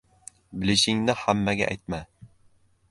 • Bilishingni hammaga aytma.